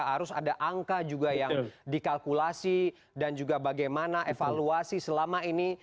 harus ada angka juga yang dikalkulasi dan juga bagaimana evaluasi selama ini